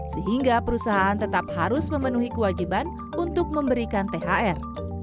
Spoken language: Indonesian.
sehingga perusahaan tetap harus memenuhi kewajiban untuk memberikan thr